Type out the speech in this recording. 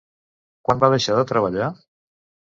Quan va deixar de treballar?